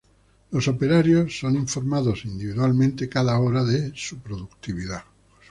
Los operarios son informados individualmente cada hora de su productividad.